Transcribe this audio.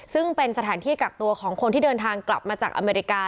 ซึ่งเป็นสถานที่กักตัวของคนที่เดินทางกลับมาจากอเมริกา